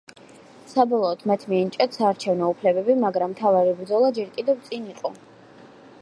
საბოლოოდ, მათ მიენიჭათ საარჩევნო უფლებები, მაგრამ მთავარი ბრძოლა ჯერ კიდევ წინ იყო.